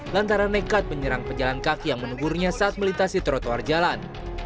lantaran nekat menyerang pejalan kaki yang menegurnya saat melintasi trotoar jalan